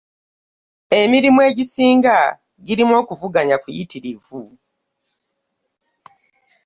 Emirimu egisinga girimu okuvuganya kuyitirivu.